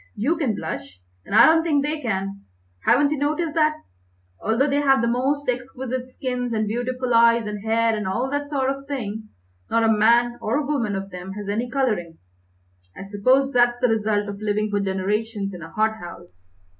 "You can blush, and I don't think they can. Haven't you noticed that, although they have the most exquisite skins and beautiful eyes and hair and all that sort of thing, not a man or woman of them has any colouring? I suppose that's the result of living for generations in a hothouse."